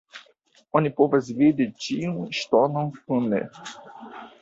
Oni povas vidi ĉiun ŝtonon kune.